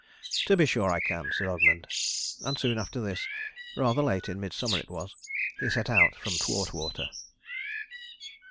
"To be sure I can," said Ogmund; and soon after this rather late in midsummer it was he set out from Thwartwater.